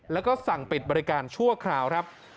แล้วก็สั่งปิดบริการชั่วคราวครับ